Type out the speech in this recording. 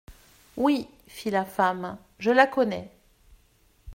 Oui, fit la femme, je la connais.